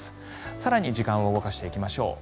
更に時間を動かしていきましょう。